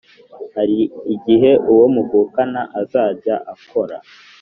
Hari igihe uwo muvukana azajya akora